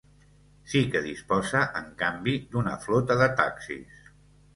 Sí que disposa, en canvi, d'una flota de taxis.